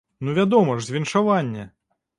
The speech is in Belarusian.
Ну вядома ж, з віншавання!